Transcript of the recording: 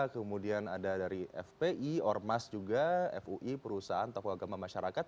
kemudian ada dari fpi ormas juga fui perusahaan tokoh agama masyarakat